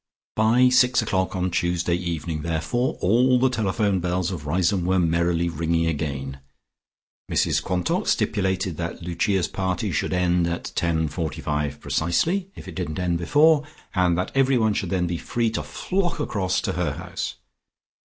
By six o'clock on Tuesday evening therefore all the telephone bells of Riseholme were merrily ringing again. Mrs Quantock stipulated that Lucia's party should end at 10.45 precisely, if it didn't end before, and that everyone should then be free to flock across to her house.